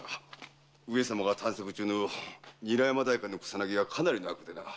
上様が探索中の韮山代官の草薙はかなりの悪でな。